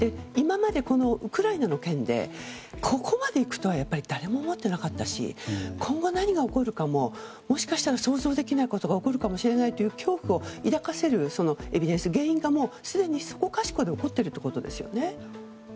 今までウクライナの件でここまでいくとはやっぱり誰も思ってなかったし今後何が起こるかももしかしたら想像できないことが起こるかもしれないという恐怖を抱かせるエビデンス、原因がすでにそこかしこで起こってるということですよね。